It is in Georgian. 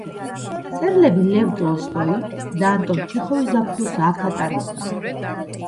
მწერლები ლევ ტოლსტოი და ანტონ ჩეხოვი ზაფხულს აქ ატარებდნენ.